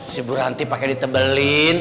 si bu ranti pake ditebelin